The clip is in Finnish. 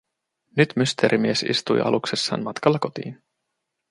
Nyt Mysteerimies istui aluksessaan matkalla kotiin.